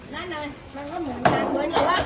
เขาซื้อไหมกลีดเดียวแปดสิบบาท